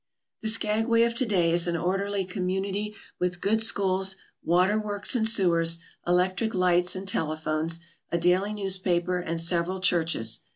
The Skagway of to day is an orderly community with good schools, waterworks and sewers, electric lights and telephones, a daily newspaper and several churches.